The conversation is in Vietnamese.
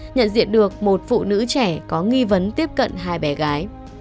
nhận diện được một phụ nữ trẻ có nghi vấn tiếp cận hai bé gái